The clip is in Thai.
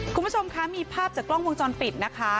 คุณผู้ชมคะมีภาพจากกล้องวงจรปิดนะคะ